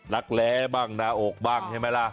รักแร้บ้างหน้าอกบ้างใช่ไหมล่ะ